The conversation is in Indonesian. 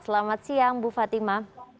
selamat siang bu fatima